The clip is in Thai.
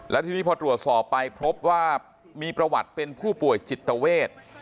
และทีนี้พอตรวจสอบไปพบว่ามีประวัติเป็นผู้ป่วยจิตเวท